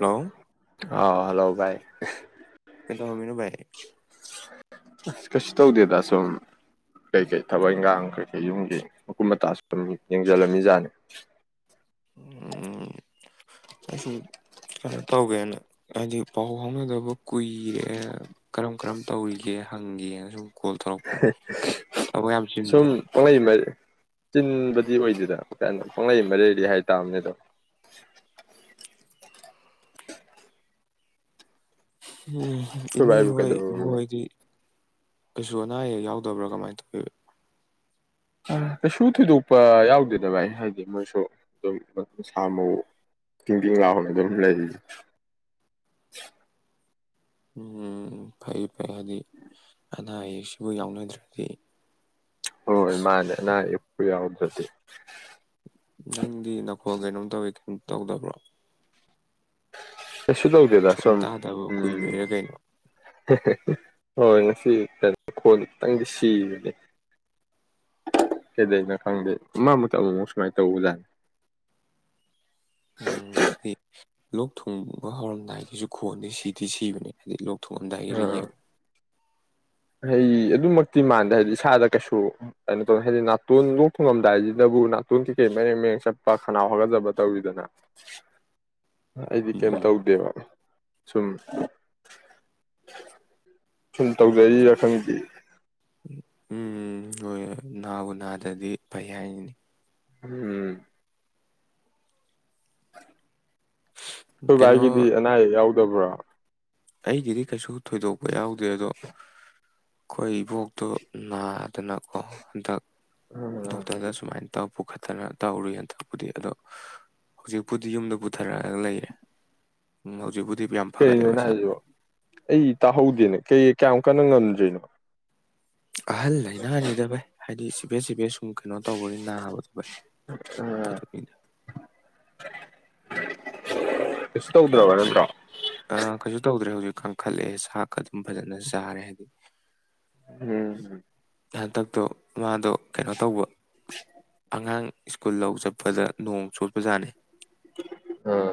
ꯍꯣ ꯑ ꯍꯜꯂꯣ ꯚꯥꯏ ꯀꯣ ꯍꯧꯃꯤꯅꯨꯚꯏ ꯑꯁ ꯀꯩꯁꯨ ꯇꯧꯗꯦꯗ ꯁꯨꯝ ꯀꯩꯀꯩ ꯊꯕꯛ ꯏꯪꯈꯥꯡ ꯀꯔꯤꯀꯩ ꯌꯨꯝꯒꯤ ꯃꯀꯨꯞ ꯃꯇꯥꯁꯨ ꯁꯨꯝ ꯌꯦꯡꯁꯤꯜꯂꯝꯃꯤꯖꯥꯠꯅꯤ ꯎꯝ ꯑꯩ ꯁꯨꯝ ꯀꯩꯅꯣ ꯇꯧꯒꯦꯅ ꯍꯥꯏꯗꯤ ꯄꯥꯎ ꯐꯥꯎꯅꯗꯕ ꯀꯨꯏꯔꯦ ꯀꯔꯝ ꯀꯔꯝ ꯇꯧꯔꯤꯒꯦ ꯍꯪꯒꯦꯅ ꯁꯨꯝ ꯀꯣꯜ ꯇꯧꯔꯛꯄꯅꯤ ꯊꯕꯛ ꯌꯥꯝ ꯁꯨꯝ ꯆꯤꯟꯕ꯭ꯔꯣ ꯄꯉꯥꯏ ꯃꯥꯗꯤꯦ ꯆꯤꯟꯕꯗꯤ ꯑꯣꯏꯗꯦꯗꯅ ꯀꯅꯣ ꯄꯣꯡꯂꯩ ꯃꯔꯦꯗꯤ ꯍꯥꯏꯇꯥꯥꯕꯅꯦꯗꯣ ꯎꯝ ꯑꯩꯈꯣꯏ ꯏꯅꯦ ꯚꯥꯏꯕꯨ ꯍꯣꯏ ꯀꯩꯗꯧꯔꯝꯃꯤꯅꯣ ꯕꯣꯏꯗꯤ ꯀꯩꯁꯨ ꯑꯅꯥ ꯑꯌꯦꯛ ꯌꯥꯎꯗꯕ꯭ꯔꯥ ꯀꯃꯥꯏꯅ ꯇꯧꯤ ꯀꯩꯁꯨ ꯊꯣꯏꯗꯣꯛꯄ ꯌꯥꯎꯗꯦꯗꯕ ꯑꯩ ꯍꯥꯏꯗꯤ ꯃꯣꯏꯁꯨ ꯑꯗꯨꯝ ꯃꯁꯥ ꯃꯎ ꯇꯤꯡꯗꯤꯤꯡ ꯂꯥꯎꯅ ꯑꯗꯨꯝ ꯂꯩꯔꯤ ꯎꯝ ꯐꯩ ꯐꯩ ꯍꯥꯏꯗꯤ ꯑꯅꯥ ꯑꯌꯦꯛꯁꯤꯕꯨ ꯌꯥꯎꯅꯗ꯭ꯔꯗꯤ ꯍꯣꯏ ꯃꯥꯅꯦ ꯑꯅꯥ ꯑꯌꯦꯛꯄꯨ ꯌꯥꯎꯗ ꯐꯠꯇ ꯅꯪꯗꯤ ꯅ ꯈꯣꯏ ꯀꯩꯅꯣꯝ ꯇꯧꯋꯤ ꯀꯩꯅꯣ ꯇꯧꯗꯕ꯭ꯔꯣ ꯀꯩꯁꯨ ꯇꯧꯗꯦꯗ ꯁꯨꯝ ꯇꯥꯗꯕ ꯎꯝ ꯀꯨꯏꯕꯩꯔꯥ ꯀꯩꯅꯣ ꯍꯣꯏ ꯉꯁꯤ ꯈꯣꯟ ꯈꯤꯇꯪꯗꯤ ꯁꯤꯕꯅꯦ ꯀꯩꯗꯣ ꯈꯪꯗꯦ ꯃ ꯑꯃ ꯑꯃ ꯑꯃꯨꯛ ꯁꯨꯃꯥꯏꯅ ꯇꯧꯕꯖꯥꯠꯅꯤ ꯎꯝ ꯍꯥꯏ ꯂꯣꯛ ꯊꯨꯡꯕ ꯍꯧꯔꯝꯗꯥꯏꯒꯤꯁꯨ ꯈꯣꯟꯗꯤ ꯁꯤꯗꯤ ꯁꯤꯕꯅꯦ ꯍꯥꯏꯗꯤ ꯂꯣꯛ ꯊꯣꯛꯨꯗꯥꯏꯔ ꯌꯦ ꯑꯩꯗꯤ ꯑꯗꯨꯃꯛꯇꯤ ꯃꯥꯟꯗꯦ ꯍꯥꯏꯕꯗꯤ ꯏꯁꯥꯗ ꯀꯩꯁꯨ ꯀꯩꯅꯣ ꯇꯧ ꯍꯥꯏꯗꯤ ꯅꯥꯇꯣꯟ ꯂꯣꯛ ꯊꯨꯡꯉꯝꯗꯥꯏꯁꯤꯗꯕꯨ ꯅꯥꯇꯣꯟ ꯀꯩꯀꯩ ꯃꯔꯦꯡ ꯃꯦꯡ ꯆꯠꯄ ꯈꯅꯥꯎ ꯍꯥꯒꯠꯆꯕ ꯇꯧꯔꯤꯗꯅ ꯑꯩꯗꯤ ꯎꯝ ꯀꯩꯝ ꯎꯝ ꯇꯧꯗꯦꯕ ꯁꯨꯝ ꯁꯨꯝ ꯇꯧ ꯔꯤ ꯔꯈꯪꯒꯤ ꯎꯝ ꯍꯣꯏ ꯅꯥꯕꯨ ꯅꯥꯗ꯭ꯔꯗꯤ ꯐꯩ ꯍꯥꯏꯅꯤꯅꯤ ꯎꯝ [unintelligible] ꯍꯣꯏꯚꯥꯏ ꯀꯩꯅꯣ ꯀꯗꯤ ꯑꯅꯥꯎ ꯕ꯭ꯔꯥ ꯑꯩꯒ ꯒꯤꯔꯤ ꯀꯩꯁꯨ ꯊꯣꯏꯗꯣꯛꯄ ꯌꯥꯎꯗꯦ ꯑꯗꯣ ꯑꯩꯈꯣꯏ ꯏꯕꯣꯛꯇꯨ ꯅꯥꯗꯅ ꯀꯣ ꯍꯟꯗꯛ ꯎꯝ ꯣꯛꯇꯗ ꯁꯨꯃꯥꯏꯅ ꯍꯟꯇꯛ ꯄꯨꯈꯠꯇꯅ ꯇꯧꯔꯨꯏ ꯍꯟꯇꯛꯄꯨꯗꯤ ꯑꯗꯣ ꯍꯧꯖꯤꯛꯄꯨꯗꯤ ꯌꯨꯝꯗ ꯄꯨꯊꯔꯛꯑꯒ ꯂꯩꯔꯦ ꯎ ꯍꯧꯖꯤꯛꯄꯨꯗꯤ ꯌꯥꯝ ꯐꯒꯠꯂꯦ ꯀꯩꯅꯣꯅ ꯃꯁꯥ ꯍꯥꯏꯁꯤꯕ ꯑꯩ ꯇꯥꯍꯧꯗꯦꯅꯦ ꯀꯩ ꯀꯌꯥꯝ ꯀꯟꯅ ꯉꯝꯗ꯭ꯣꯏꯔꯤꯅꯣ ꯑꯍꯜ ꯂꯥꯏꯅꯥꯅꯤꯗꯚꯥꯏ ꯍꯥꯏꯗꯤ ꯁꯤ ꯦꯁ ꯁꯤ ꯕꯦꯁ ꯁ ꯀꯩꯅꯣ ꯇꯧꯕꯒꯤ ꯅꯥꯕꯗꯨ ꯎꯝ [unintelligible] ꯀꯌꯥꯝ ꯀꯩ ꯅꯠꯇ꯭ꯔꯣ ꯑ ꯀꯩꯁꯨ ꯇꯧꯗ꯭ꯔꯦ ꯍꯧꯖꯤꯛ ꯀ ꯀꯥꯡꯈꯠꯂꯛꯑꯦ ꯆꯥꯛꯀ ꯑꯗꯨꯝ ꯐꯖꯅ ꯆꯔꯦ ꯍꯥꯏꯗꯤ ꯎꯝ ꯍꯟꯇꯛꯇꯣ ꯃꯥꯗꯣ ꯀꯩꯅꯣ ꯇꯧꯕ ꯑꯉꯥꯡ ꯁ꯭ꯀꯨꯜ ꯂꯧ ꯆꯠꯄꯗ ꯅꯣꯡ ꯆꯣꯠꯄꯖꯥꯠꯅꯤ ꯑꯥ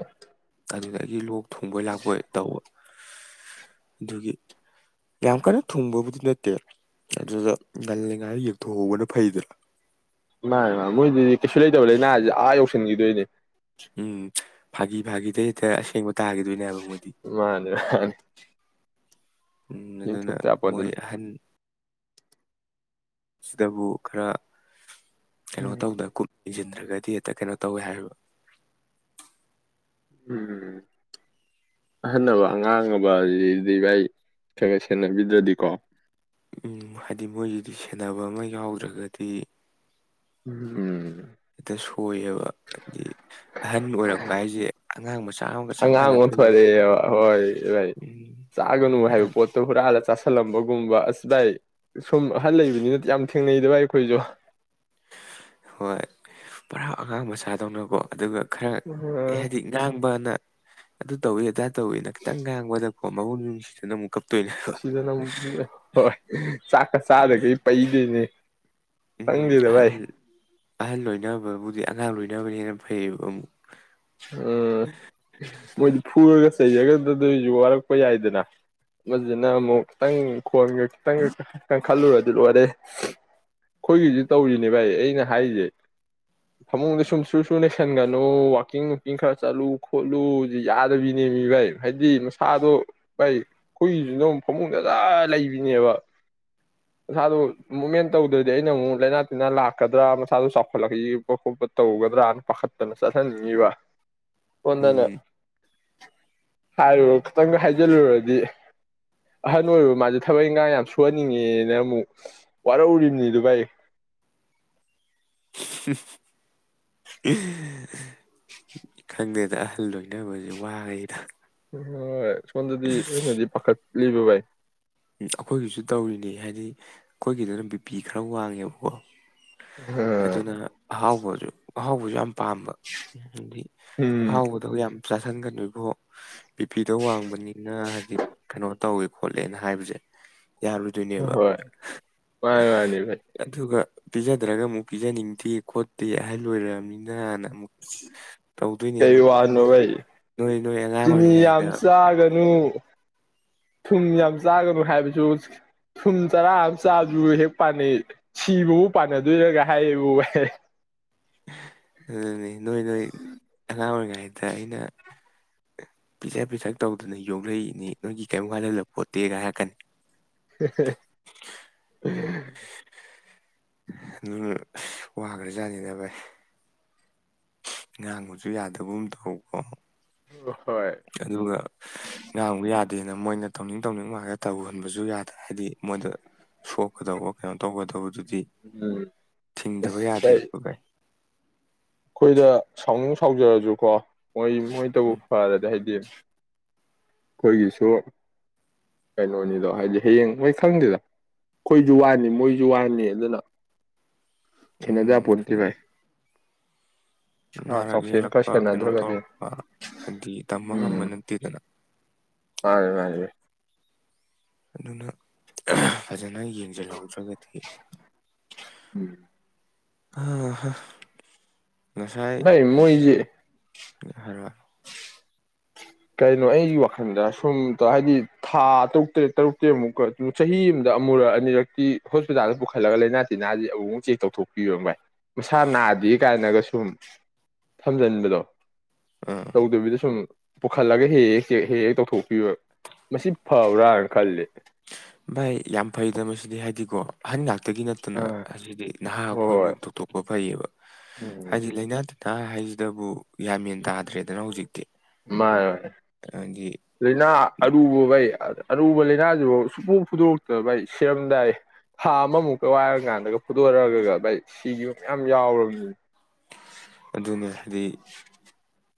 [unintelligible] ꯂꯣꯛ ꯊꯨꯡꯕꯣꯏ ꯂꯥꯛꯄꯣꯏ ꯇꯧꯕ ꯑꯗꯨꯒꯤ ꯌꯥꯝ ꯀꯟꯅ ꯊꯨꯡꯕꯕꯨꯗꯤ ꯅꯠꯇꯦ ꯑꯗꯨꯗ ꯉꯜꯂꯤꯉꯥꯏ ꯌꯦꯡꯊꯣꯛꯍꯧꯕꯅ ꯐꯩꯗꯅ ꯃꯥ ꯃꯣꯏꯁꯤꯗꯤ ꯀꯩꯁꯨ ꯂꯩꯇꯕ ꯂꯅꯥꯁꯤ ꯑꯥ ꯌꯧꯁꯤꯟꯈꯤꯗꯣꯏꯅꯦ ꯎꯝ ꯐꯒꯤ ꯐꯒꯤꯗꯩ ꯑꯁꯦꯡ ꯃꯥꯅꯦ ꯃꯥꯅꯤ ꯑꯗꯨꯅ ꯃꯣꯏ ꯑꯍꯟ ꯁꯤꯗꯕꯨ ꯈꯔ ꯀꯩꯅꯣ ꯎꯝ ꯇꯧꯗ ꯌꯦꯡꯁꯤꯟꯗ꯭ꯔꯒꯗꯤ ꯍꯦꯛꯇ ꯀꯩꯅꯣ ꯇꯧꯋꯦ ꯍꯥꯏꯔꯤꯕ ꯎꯝ ꯑꯍꯟꯅꯕ ꯑꯉꯥꯡ ꯑꯃꯗꯤ ꯚꯥꯏ ꯈꯔꯥ ꯈꯔꯥ ꯁꯦꯟꯅꯕꯤꯗ꯭ꯔꯗꯤꯀꯣ ꯎ ꯍꯥꯏꯗꯤ ꯃꯣꯏꯁꯤꯗꯤ ꯁꯦꯟꯅꯕ ꯑꯃ ꯌꯥꯎꯗ꯭ꯔꯒꯗꯤ ꯎꯝ ꯍꯦꯛꯇ ꯁꯣꯏꯌꯦꯕ ꯍꯥꯏꯗꯤ ꯑꯍꯟ ꯑꯣꯏꯔꯛꯄ ꯍꯥꯏꯁꯦ ꯑꯉꯥꯡ ꯃꯁꯨ ꯑꯉꯥꯡ ꯑꯣꯟꯊꯂꯛꯑꯦꯕ ꯍꯣꯏ ꯚꯥꯏ ꯎꯝ ꯆꯥꯒꯅꯨ ꯍꯥꯏꯕ ꯄꯣꯠꯇꯣ ꯍꯨꯔꯥ ꯆ ꯁꯜꯂꯝꯕꯒꯨꯝꯕ ꯑꯁꯤ ꯏ ꯁꯨꯝ ꯑꯍꯜ ꯂꯩꯕꯅꯤꯅꯦ ꯌꯥꯝ ꯊꯦꯡꯅꯩꯗ ꯏ ꯑꯩꯈꯣꯏꯁꯨ ꯍꯣꯏ ꯄꯔꯥ ꯑꯉꯥꯡ ꯃꯆꯥꯗꯧꯅꯀꯣ ꯑꯗꯨꯒ ꯈꯔ ꯑ ꯍꯥꯏꯗꯤ ꯉꯥꯡꯕꯅ ꯑꯗꯨ ꯇꯧꯏꯤ ꯑꯗꯥꯏ ꯇꯧꯏꯤꯅ ꯈꯤꯇꯪ ꯉꯥꯡꯕꯗꯛꯄꯣ ꯃꯕꯨꯡ ꯅꯨꯡꯁꯤꯗꯅ ꯑꯃꯨꯛꯀ ꯁꯤꯗꯅ ꯑꯃꯨꯛ ꯍꯣꯏ ꯆꯥꯛꯀ ꯆꯥꯗꯒꯩ ꯄꯩꯗꯣꯏꯅꯦ ꯎꯝ ꯈꯪꯗꯦꯗ ꯚꯥꯏ ꯑꯍꯜ ꯑꯍꯜ ꯂꯣꯏꯅꯕꯕꯨꯗꯤ ꯑꯉꯥꯡ ꯂꯣꯏ ꯅ ꯐꯩ ꯑ ꯃꯣꯐꯨꯔ ꯆꯩꯖꯒꯗꯗꯣꯏꯁꯨ ꯋꯥꯔꯛꯄ ꯌꯥꯏꯗꯅ ꯃꯁꯤꯅ ꯑꯃꯨꯛ ꯈꯤꯇꯪ ꯈꯣꯟꯒ ꯈꯤꯇꯪ ꯀꯟꯈꯠꯂꯨꯔꯗꯤ ꯂꯣꯏꯔꯦ ꯑꯩꯈꯣꯏꯒꯤꯁꯨ ꯇꯧꯔꯤꯅꯦ ꯚꯥꯏ ꯑꯩꯅ ꯍꯥꯏꯔꯤꯁꯦ ꯐꯃꯨꯡꯗ ꯁꯨꯝ ꯁꯨ ꯁꯨ ꯅꯩꯁꯟꯒꯅꯨ ꯀꯀꯤꯡ ꯅꯨꯡꯀꯤꯡ ꯈꯔ ꯆꯠꯂꯨ ꯈꯣꯠꯂꯨꯁꯤ ꯌꯥꯗꯕꯤꯅꯦ ꯃꯤ ꯚꯩ ꯍꯥꯏꯗꯤ ꯃꯁꯥꯗꯣ ꯚꯩ ꯍꯨꯏꯁꯨꯅ ꯑꯃꯨꯛ ꯐꯃꯨꯡꯗꯖ ꯂꯩꯕꯤꯅꯦꯕ ꯃꯁꯥꯗꯣ ꯃꯨꯞꯃꯦꯟ ꯇꯧꯗ꯭ꯔꯗꯤ ꯑꯩꯅ ꯑꯃꯨꯛ ꯂꯥꯏꯅꯥ ꯇꯤꯟꯅꯥ ꯂꯥꯛꯀꯗ꯭ꯔꯥ ꯃꯁꯥꯗꯣ ꯆꯥꯎꯈꯠꯂꯛꯕ ꯈꯣꯠꯄ ꯇꯧꯒꯗ꯭ꯔꯥꯅ ꯄꯥꯈꯠꯇꯅ ꯆꯠꯍꯟꯅꯤꯡ ꯋꯥ ꯁꯣꯟꯗꯅ ꯎꯝ ꯍꯥꯏꯔꯨꯔ ꯈꯤꯇꯪꯗ ꯍꯥꯏꯖꯤꯜꯂꯨꯔꯗꯤ ꯑꯍꯟ ꯑꯣꯏꯔꯕ ꯃꯥꯁꯦ ꯊꯕꯛ ꯏꯪꯈꯥꯡ ꯌꯥꯝ ꯁꯨꯍꯟꯅꯤꯡꯉꯦꯅ ꯑꯃꯨꯛ ꯋꯥꯔꯛꯎꯔꯤꯕꯅꯤ ꯑꯗꯨ ꯚꯥꯏ [unintelligible] ꯈꯪꯗꯦ ꯗ ꯑꯍꯜ ꯂꯣꯏꯅꯕꯁꯦ ꯋꯥꯉꯗ ꯍꯣꯏ [unintelligible] ꯄꯈꯠ ꯂꯤꯕꯨ ꯏ [inaudible] ꯎꯝ ꯑꯩꯈꯣꯏꯒꯤꯁꯨ ꯇꯧꯔꯤꯅꯦ ꯍꯥꯏꯗꯤ ꯑꯩꯈꯣꯏꯒꯤꯗꯅ ꯕꯤꯄꯤ ꯈꯔ ꯋꯥꯡꯉꯦꯕꯀꯣ ꯑꯗꯨꯅ ꯑꯍꯥꯎ ꯍꯕꯣꯁꯨ ꯑꯍꯥꯎꯧꯕꯁꯨ ꯌꯥꯝ ꯄꯥꯝꯕ ꯑꯗꯤ ꯎꯝ ꯍꯥꯎꯗ ꯌꯥꯝ ꯆꯥꯁꯟꯒꯗꯣꯏꯕꯣ ꯕꯤꯄꯤꯤꯗ ꯋꯥꯡꯕꯅꯤꯅ ꯍꯥꯏꯖꯤꯛ ꯀꯩꯅꯣ ꯇꯧꯋꯦ ꯈꯣꯠꯂꯦꯅ ꯍꯥꯏꯕꯁꯦ ꯎꯝ ꯌꯥꯔꯨꯗꯣꯏꯅꯦꯕ ꯍꯣꯏ ꯃꯥꯅꯤ ꯃꯥꯅꯤ ꯚꯥꯏ ꯑꯗꯨꯒ ꯄꯤꯖꯗ꯭ꯔꯒ ꯑꯃꯨꯛ ꯄꯤꯖꯅꯤꯡꯗꯦ ꯈꯣꯠꯇꯦ ꯍꯥꯏꯍ ꯂꯣꯏꯅꯤꯅꯅ ꯀꯩ ꯋꯥ ꯅꯚꯏ ꯅꯣꯏ ꯅꯣꯏ ꯑꯉꯥꯡ ꯆꯤꯅꯤ ꯌꯥꯝ ꯑꯣꯏꯔꯤꯉꯩꯗ ꯆꯥꯒꯅꯨ ꯊꯨꯝ ꯌꯥꯝ ꯆꯥꯒꯅꯨ ꯍꯥꯏꯕꯁꯨ ꯊꯨꯝ ꯆꯔꯥ ꯑꯃ ꯆꯥꯕꯗꯨ ꯍꯦꯛ ꯄꯥꯟꯅꯩ ꯁꯤꯕꯕꯨ ꯄꯥꯟꯅꯗꯣꯏꯔꯒ ꯍꯥꯏꯌꯦꯕꯨ ꯋꯥꯍ ꯎꯝ ꯅꯣꯏ ꯅꯣꯏ ꯑ ꯑꯣꯏꯔꯒ ꯗ ꯑꯩꯅ ꯄꯤꯤꯁꯛ ꯄꯤꯤꯁꯛ ꯇꯧꯗꯅ ꯌꯣꯛꯂꯛꯏꯅꯤ ꯅꯣꯏꯒꯤ ꯀꯔꯤꯝ ꯀꯥꯏꯜꯍꯜꯂꯕ ꯄꯣꯠꯇꯦꯒ ꯍꯥꯏꯔꯛꯀꯅꯤ [unintelligible] ꯑꯗꯨ ꯋꯥꯈ꯭ꯔꯖꯥꯠꯅꯤ ꯚꯥꯏ ꯉꯍꯥꯡꯕꯁꯨ ꯌꯥꯗꯕꯨꯝ ꯇꯧꯀꯣ ꯍꯣꯏ ꯑꯗꯨꯒ ꯉꯥꯡꯕ ꯌꯥꯗꯦ ꯑꯗꯨꯦꯅ ꯃꯣꯏꯅ ꯇꯧꯅꯤꯡ ꯇꯧꯅꯤꯡꯉꯥꯛꯒ ꯇꯧꯍꯟꯕꯁꯨ ꯌꯥꯗ꯭ꯔꯦ ꯍꯥꯏꯗꯤ ꯃꯣꯏꯗ ꯁꯣꯛꯀꯗꯧꯕ ꯀꯩꯅꯣ ꯇꯧꯒꯗꯧꯕꯗꯨ ꯎꯝ ꯊꯤꯡꯗꯕ ꯑꯁ ꯌꯥꯗꯣꯏꯦꯕꯣ ꯚꯥꯏ ꯑꯩꯈꯣꯏꯗ ꯁꯥꯎꯅꯨꯡ ꯁꯥꯎꯖꯔꯁꯨꯀꯣ ꯃꯣꯏ ꯃꯣꯏ ꯇꯧꯕ ꯎꯝ ꯐꯔꯗꯤ ꯍꯥꯏꯗꯤ ꯑꯩꯈꯣꯏꯒꯤꯁꯨ ꯀꯩꯅꯣꯅꯤꯗꯣ ꯍꯥꯏꯗꯤ ꯍꯌꯦꯡ ꯃꯣꯏ ꯈꯪꯗꯦꯗ ꯑꯩꯈꯣꯏꯁꯨ ꯋꯥꯅꯤ ꯃꯣꯏꯁꯨ ꯋꯥꯅꯤ ꯑꯗꯨꯅ ꯈꯦꯅꯦꯗ ꯎꯝ ꯄꯟꯇꯤꯚꯥꯏ ꯅꯥꯔꯛ ꯈꯔ ꯌꯦꯛꯂꯛꯄ ꯀꯩꯅꯣ ꯁꯦꯟꯅꯗ꯭ꯔꯒꯗꯤ ꯇꯧꯔꯛꯄ ꯍꯥꯏꯗꯤ ꯇꯝꯕ ꯉꯝꯕ ꯅꯠꯇꯦꯗꯅ ꯐꯔꯦ ꯃꯥꯔꯦ ꯑꯗꯨꯅ ꯐꯖꯅ ꯌꯦꯡꯁꯤꯜꯍꯧꯗ꯭ꯔꯒꯗꯤ ꯎꯝ ꯑ ꯅ ꯃꯣꯏꯖꯦ ꯍꯥꯏꯔ ꯀꯩꯅꯣ ꯑꯩꯒꯤ ꯋꯥꯈꯜꯗ ꯁꯨꯝ ꯍꯥꯏꯗꯤ ꯊꯥ ꯇꯔꯨꯛ ꯇꯔꯦꯠ ꯇꯔꯨꯛ ꯇꯔꯦꯃꯨꯛꯀ ꯆꯍꯤ ꯑꯃꯗ ꯑꯃꯨꯔꯛ ꯑꯅꯤꯔꯛꯇꯤ ꯍꯣꯁꯄꯤꯇꯥꯜꯗ ꯄꯨꯈꯠꯂꯒ ꯂꯥꯏꯅꯥ ꯇꯤꯟꯅꯥꯗꯤ ꯑꯃꯨꯛꯃꯨꯛ ꯆꯦꯛ ꯇꯧꯊꯣꯛꯄꯤꯌꯣ ꯚꯥꯏ ꯃꯁꯥ ꯅꯥꯗꯦ ꯀꯥꯏꯅꯒ ꯁꯨꯝ ꯊꯝꯖꯤꯟꯕꯗꯣ ꯇꯧꯗꯕꯤꯗ ꯁꯨꯝ ꯄꯨꯈꯠꯂꯒ ꯍꯦꯛ ꯍꯦꯛ ꯍꯦꯛ ꯍꯦꯛ ꯍꯦꯛ ꯇꯧꯊꯣꯛꯄꯤꯕ ꯃꯁꯤ ꯐꯕ꯭ꯔꯥꯅ ꯈꯜꯂꯤ ꯚꯥꯏ ꯌꯥꯝ ꯐꯩꯗ ꯃꯁꯤꯗꯤ ꯍꯥꯏꯗꯤꯀꯣ ꯑꯍꯟ ꯉꯥꯛꯇꯒꯤ ꯅꯠꯇꯅ ꯑ ꯑꯁꯤꯗꯤ ꯅꯍꯥ ꯍꯣꯏ ꯑꯩꯈꯣꯏꯕꯨ ꯍꯣꯏ ꯇꯣꯛꯇꯣꯛꯄ ꯐꯩꯌꯦꯕ ꯎꯝ ꯍꯥꯏꯗꯤ ꯂꯩꯅꯥꯠ ꯅꯍ ꯍꯥꯏꯁꯤꯗꯕꯨ ꯌꯥꯝꯃꯟ ꯇꯥꯗ꯭ꯔꯦꯗꯅ ꯍꯧꯖꯤꯛꯇꯤ ꯃꯥ ꯍꯥꯏꯗꯤ ꯂꯅꯥ ꯑꯔꯨꯕꯕꯩ ꯑꯔꯨꯕ ꯂꯥꯏꯅꯥꯁꯤꯐꯥꯎ ꯁꯨꯛꯄꯨ ꯐꯨꯗꯣꯔꯛꯇꯅ ꯚꯥꯏ ꯁꯔꯝꯗꯥꯏ ꯊꯥ ꯑꯃꯃꯨꯛꯀ ꯋꯥꯏꯔ ꯀꯥꯟꯗꯒ ꯐꯨꯗꯣꯔꯒ ꯚꯥꯏ ꯁꯤꯒꯤ ꯌꯥꯝ ꯌꯥꯎꯔꯕꯅꯤ ꯑꯗꯨꯅꯦ ꯍꯥꯏꯗꯤ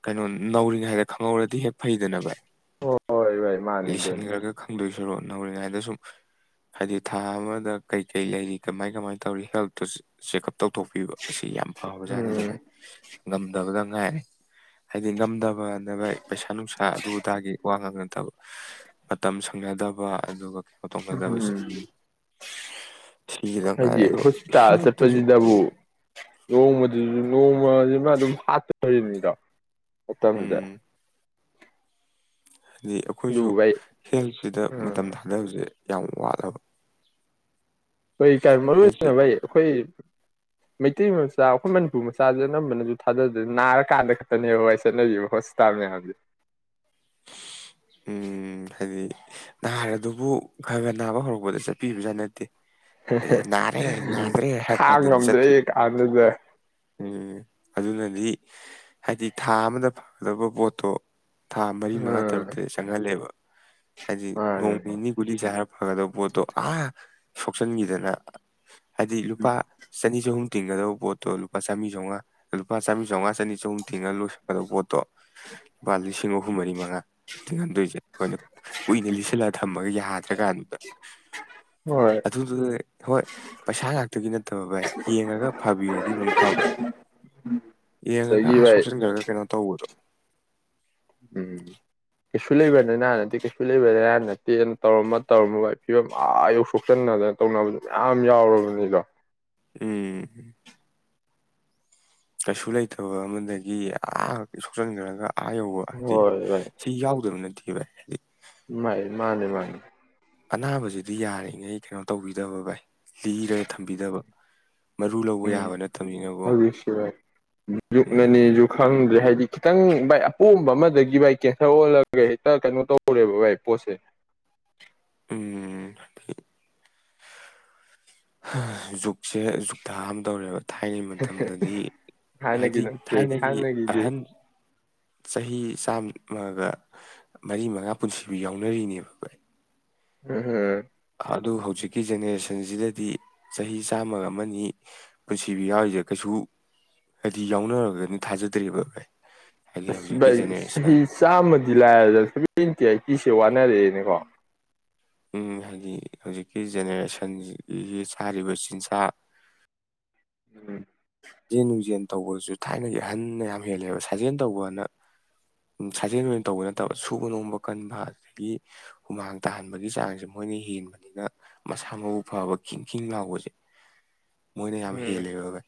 ꯀꯩꯅꯣ ꯅꯧꯔꯤꯉꯩꯗ ꯈꯪꯍꯧꯔꯗꯤ ꯍꯦꯛ ꯐꯩꯗꯅꯕ ꯑꯣ ꯏꯁꯟꯈꯔꯒ ꯈꯪꯗꯣꯏꯁ ꯁꯣꯔꯣ ꯅꯧꯔꯤꯉꯩꯗ ꯁꯨꯝ ꯍꯥꯏꯗꯤ ꯊꯥ ꯑꯃꯗ ꯀꯩꯀꯩ ꯂꯩꯔꯤ ꯀꯃꯥꯏ ꯀꯃꯥꯏꯅ ꯇꯧꯔꯤ ꯍꯦꯜꯠꯇꯇꯨ ꯆꯦꯛꯑꯞ ꯇꯧꯊꯣꯛꯄꯤꯕ ꯑꯁꯤ ꯌꯥꯝ ꯐꯕ ꯖꯥꯠꯅꯤꯗꯕ ꯎꯝ ꯉꯝꯗꯕꯗ ꯉꯥꯏ ꯍꯥꯏꯗꯤ ꯉꯝꯗꯕ ꯐꯅꯕ ꯄꯩꯁꯥ ꯅꯨꯡꯁꯥ ꯑꯗꯨ ꯑꯗꯥꯒꯤ ꯋꯥ ꯉꯥꯡꯅꯗꯕ ꯃꯇꯝ ꯁꯪꯅꯗꯕ ꯑꯗꯨꯒ ꯀꯩꯅꯣ ꯇꯧꯅꯗꯕꯁꯦ ꯎꯝ ꯁꯤꯒꯤꯗ ꯍꯥꯏꯗꯤ ꯉꯥꯏꯔꯦ ꯑꯗꯣ ꯍꯣꯁꯄꯤꯇꯥꯜ ꯍꯦꯜꯠꯇꯁꯨ ꯆꯠꯄꯁꯤꯗꯕꯨ ꯂꯣꯡꯃꯗꯨꯁꯨ ꯅꯣꯡꯃꯁꯤꯃ ꯑꯗꯨꯝ ꯍꯥꯠꯇꯣꯔꯤꯕꯅꯤꯗꯣ ꯈꯨꯠꯇꯖ ꯎꯝ ꯍꯥꯏꯗꯤ ꯑꯩꯈꯣꯏꯁꯨ ꯑꯗꯨꯕꯨ ꯚꯩ ꯍꯦꯜꯠꯁꯤꯗ ꯎꯝ ꯃꯇꯝ ꯊꯥꯗꯕꯁꯦ ꯌꯥꯝ ꯋꯥꯗꯕ ꯑꯩꯣꯏ ꯀ ꯃꯔꯨ ꯚꯩ ꯑꯩꯈꯣꯏ ꯃꯩꯇꯩ ꯃꯆꯥ ꯑꯩꯈꯣꯏ ꯃꯅꯤꯄꯨꯔ ꯃꯆꯥꯗꯨ ꯑꯅꯝꯕꯅꯁꯨ ꯊꯥꯗꯗꯅ ꯅꯥꯔꯀꯥꯟꯗ ꯈꯛꯇꯅꯦꯕ ꯍꯣꯏ ꯆꯠꯅꯕꯤꯕ ꯍꯣꯁꯄꯤꯇꯥꯜ ꯃꯌꯥꯝꯁꯦ ꯎꯝ ꯍꯥꯏꯗꯤ ꯅꯍꯥꯔ ꯑꯗꯨꯕꯨ ꯈꯔ ꯈꯔ ꯅꯥꯕ ꯍꯧꯔꯛꯄꯗ ꯆꯠꯄꯤꯕꯖꯥꯠ ꯅꯠꯇꯦ ꯑꯦ ꯅꯥꯔꯦ ꯌꯥꯗ꯭ꯔꯦ ꯍꯥꯏ ꯈꯥꯡ ꯀꯥꯟꯗꯅꯤ ꯉꯝꯗ꯭ꯔꯦ ꯆꯠꯇꯣꯏꯁꯦ ꯀꯥꯟꯗꯨꯗ ꯎꯝ ꯑꯗꯨꯅꯗꯤ ꯍꯥꯏꯗꯤ ꯊꯥ ꯑꯃꯗ ꯐꯒꯗꯕ ꯄꯣꯠꯇꯣ ꯊꯥ ꯃꯔꯤ ꯃꯉꯥ ꯎꯝ ꯇꯔꯨꯛ ꯆꯪꯍꯜꯂꯦꯕ ꯍꯥꯏꯗꯤ ꯃꯥꯅꯦ ꯅꯣꯡ ꯃꯥꯅꯦ ꯅꯤꯅꯤ ꯀꯨꯗꯤ ꯁꯥ ꯐꯒꯗꯕ ꯄꯣꯠꯇꯣ ꯑꯥ ꯁꯣꯛꯆꯟꯈꯤꯗꯅ ꯍꯥꯏꯗꯤ ꯂꯨꯄꯥ ꯆꯅꯤ ꯆꯍꯨꯝ ꯇꯤꯡꯒꯗꯕ ꯄꯣꯠꯇꯣ ꯂꯨꯄꯥ ꯆꯥꯝ ꯆꯝꯉꯥ ꯂꯨꯄꯥ ꯆꯥꯝ ꯆꯝꯉ ꯆꯅꯤ ꯆꯍꯨꯝ ꯇꯤꯡꯉ ꯂꯣꯏꯁꯤꯟꯀꯗꯕ ꯄꯣꯠꯇꯣ ꯂꯨꯄꯥ ꯂꯤꯁꯤꯡ ꯑꯍꯨꯝ ꯃꯔꯤ ꯃꯉꯥ ꯇꯤꯡꯍꯟꯗꯣꯏꯁꯦ ꯑꯩꯈꯣꯏꯅ ꯀꯨꯏꯅ ꯂꯤꯁꯤꯜꯂꯒ ꯊꯝꯃꯒ ꯌꯥꯗ꯭ꯔꯀꯥꯟꯗꯨꯗ ꯍꯣꯏ ꯑꯗꯨ ꯍꯣꯏ ꯄꯩꯁꯥ ꯉꯥꯛꯇꯒꯤ ꯅꯠꯇꯕ ꯚꯥꯏ ꯌꯦꯡꯉꯒ ꯐꯥꯕꯤꯔꯗꯤ ꯑꯃꯨꯛ ꯐꯕ ꯌꯦꯡꯉꯒ ꯑꯗꯒꯤ ꯚꯥꯏ ꯁꯣꯛꯁꯤꯟ ꯈꯔꯒ ꯀꯩꯅꯣ ꯇꯧꯕꯗꯣ ꯎꯝ ꯀꯩꯁꯨ ꯂꯩꯕꯅꯤ ꯅꯍꯥꯟꯅꯠꯇꯦ ꯀꯩꯁꯨ ꯂꯩꯕꯗꯍꯥꯟ ꯅꯠꯇꯦꯅ ꯇꯧꯔꯝꯃ ꯇꯧꯔꯝꯃꯕꯒꯤ ꯐꯤꯕꯝ ꯑꯥ ꯌꯧ ꯁꯣꯛꯆꯟꯅꯗꯅ ꯇꯧꯅꯕꯗꯨ ꯃꯌꯥꯝ ꯌꯥꯎꯔꯕꯅꯤꯗꯣ ꯎꯝ ꯀꯩꯁꯨ ꯂꯩꯇꯕ ꯑꯃꯗꯒꯤ ꯑꯥ ꯁꯣꯛꯆꯟꯖꯔꯒ ꯑꯥ ꯌꯧꯕ ꯍꯥꯏꯗꯤ ꯍꯣꯏ ꯁꯤ ꯌꯥꯎꯗꯕ ꯅꯠꯇꯦ [unintelligible] ꯃꯥꯥꯏ ꯃꯥꯅꯤ ꯃꯥꯅꯤ ꯑꯅꯥꯕꯁꯤꯗꯤ ꯌꯥꯔꯤꯉꯩ ꯀꯩꯅꯣ ꯇꯧꯕꯤꯗꯕ ꯚꯥꯏ ꯂꯤꯔꯒ ꯊꯝꯕꯤꯗꯕ ꯃꯔꯨ ꯂꯧꯕ ꯎꯝ ꯌꯥꯕ ꯅꯠꯇꯕꯅꯤꯅꯀꯣ ꯍꯧꯖꯤꯛꯁꯤꯚꯥꯏ ꯎꯝ ꯌꯖꯨꯛꯅꯅꯤꯁꯨꯨ ꯈꯪꯗ꯭ꯔꯦ ꯍꯥꯏꯗꯤ ꯈꯤꯇꯪ ꯚꯥꯏ ꯑꯄꯣꯝꯕ ꯑꯃꯗꯒꯤ ꯚꯥꯏ ꯀꯦꯟꯁꯔ ꯑꯣꯜꯂꯒ ꯍꯦꯛꯇ ꯀꯩꯅꯣ ꯇꯧꯔꯦꯕ ꯚꯥꯏ ꯄꯣꯠꯁꯦ ꯎꯝ ꯖꯨꯛꯁꯦ ꯖꯨꯛ ꯊꯥ ꯑ ꯑꯃ ꯇꯧꯔꯦꯕ ꯊꯥꯏꯅꯩ ꯃꯇꯝꯗꯗꯤ ꯍꯥꯟꯅꯒꯤ ꯍꯥꯏꯗꯤ ꯅꯠꯇ꯭ꯔꯦ ꯊꯥꯏꯅꯒꯤ ꯍꯥꯟꯅꯒꯤꯗꯤ ꯑꯍꯟ ꯆꯍꯤ ꯆꯥꯝ ꯃꯥꯒ ꯃꯔꯤ ꯃꯉꯥ ꯄꯨꯟꯁꯤꯕꯨ ꯌꯥꯎꯅꯔꯤꯅꯦꯕꯀ ꯑꯩ ꯎꯝ ꯑꯗꯨ ꯍꯧꯖꯤꯛꯀꯤ ꯖꯦꯅꯦꯔꯦꯁꯟꯁꯤꯗꯗꯤ ꯆꯍꯤ ꯆꯥꯝꯃꯒ ꯑꯃꯅꯤ ꯄꯨꯟꯁꯤꯕꯤ ꯌꯥꯎꯔꯤꯁꯦ ꯀꯩꯁꯨ ꯍꯥꯏꯗꯤ ꯌꯥꯎꯅꯔꯒꯅ ꯊꯥꯖꯗ꯭ꯦꯔꯤꯕ ꯀꯥꯏ ꯑ ꯆꯍꯤ ꯆꯥꯃꯗꯤ ꯂꯌꯥ ꯁꯤ ꯋꯥꯅꯔꯤꯅꯤꯀꯣ ꯎ ꯍꯥꯏꯗꯤ ꯍꯧꯖꯤꯛꯀꯤ ꯖꯦꯅꯦꯔꯦꯁꯟꯒꯤ ꯆꯥꯔꯤꯕ ꯆꯤꯟꯖꯥꯛ ꯎꯝ ꯁꯥꯖꯦꯜ ꯅꯨꯡꯖꯦꯜ ꯇꯧꯕꯁꯨ ꯊꯥꯏꯅꯒꯤ ꯑꯍꯟꯅ ꯌꯥꯝ ꯍꯦꯜꯂꯦꯕ ꯁꯥꯖꯦꯜ ꯇꯧꯕꯅ ꯁꯥꯖꯦꯜ ꯖꯦꯟ ꯇꯧꯕ ꯅꯠꯇꯕ ꯁꯨꯕ ꯅꯣꯝꯕ ꯀꯟꯕ ꯑꯗꯒꯤ ꯍꯨꯃꯥꯡ ꯇꯥꯍꯟꯕꯒꯤ ꯆꯥꯡꯁꯦ ꯃꯣꯏꯅ ꯍꯦꯟꯕꯅꯤꯅ ꯃꯁꯥ ꯃꯎ ꯐꯕ ꯈꯤꯡ ꯈꯤꯡ ꯂꯥꯎꯕꯁꯦ ꯃꯣꯏꯅ ꯌꯥꯝ ꯎꯝ ꯍꯦꯜꯂꯦꯔꯒ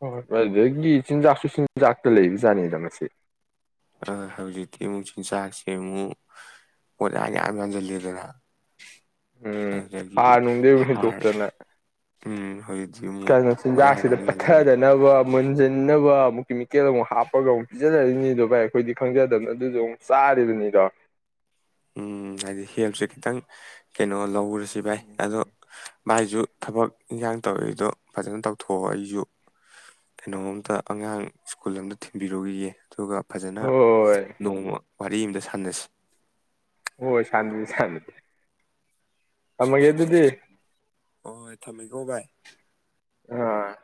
ꯍ ꯑꯗꯨꯗꯒꯤ ꯆꯤꯟꯖꯥꯛꯁꯨ ꯆꯤꯟꯖꯥꯛꯇ ꯂꯩꯕꯖꯥꯠꯅꯤꯗ ꯉꯁ ꯍꯧꯖꯤꯛꯇꯤ ꯑꯃꯨꯛ ꯆꯤꯟꯖꯥꯛꯁꯦ ꯑꯃꯨꯛ ꯑꯣꯖꯥ ꯌꯥꯝ ꯌꯥꯟꯁꯤꯂꯦꯗꯅ ꯎꯝ ꯍꯥꯔ ꯅꯨꯡꯗꯤ ꯑꯃꯨꯛ ꯍꯥꯔ ꯍꯦꯟꯇꯣꯛꯇꯅ ꯎꯝ ꯍꯧꯖꯤꯛꯇꯤ ꯑꯃꯨꯛ ꯀꯩꯅꯣ ꯄꯣꯠꯌꯥꯟ ꯆꯤꯟꯖꯥꯛꯁꯤꯗ ꯑꯃꯨꯛ ꯌꯥꯟꯁꯤꯜꯂꯦ ꯄꯠꯊꯗꯅꯕ ꯃꯨꯟꯁꯤꯟꯅꯕ ꯑꯃꯨꯛ ꯀꯦꯃꯤꯀꯦꯜ ꯑꯃꯨꯛ ꯍꯥꯞꯄꯒ ꯑꯃꯨꯛ ꯄꯤꯖꯟꯅꯔꯤꯅꯤꯗꯣ ꯚꯥꯏ ꯑꯩꯈꯣꯏꯗꯤ ꯈꯪꯖꯗꯕꯅ ꯑꯗꯨꯁꯨ ꯑꯃꯨꯛ ꯆꯥꯔꯤꯕꯅꯤꯗꯣ ꯎꯝ ꯍꯥꯏꯗꯤ ꯍꯦꯜꯁꯨ ꯈꯤꯇꯪ ꯀꯩꯅꯣ ꯂꯧꯔꯦ ꯁꯤꯚꯥꯏ ꯑꯗꯣ ꯃꯥꯥꯏꯁꯨ ꯊꯕꯛ ꯏꯟꯁꯥꯡ ꯇꯧꯔꯛꯏꯗꯣ ꯐꯖꯅ ꯇꯧꯊꯣꯛꯑꯣ ꯑꯩꯁꯨ ꯀꯩꯅꯣꯝꯇ ꯑꯉꯥꯡ ꯁ꯭ꯀꯨꯜ ꯑꯝꯇ ꯊꯤꯟꯕꯤꯔꯨꯈꯤꯌꯦ ꯑꯗꯨꯒ ꯐꯖꯅ ꯍꯣꯏ ꯅꯣꯡꯃ ꯋꯥꯔꯤ ꯑꯃꯇ ꯁꯥꯟꯅꯁꯤ ꯑꯣ ꯁꯥꯟꯗꯤ ꯁꯥꯟꯗꯤ ꯃꯒ ꯌꯦꯗꯗꯤ ꯍꯣꯏ ꯊꯝꯃꯦꯀꯣ ꯚꯥꯏ ꯑ